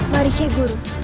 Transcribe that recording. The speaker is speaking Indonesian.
mari syekh guru